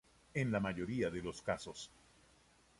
En la mayoría de los casos.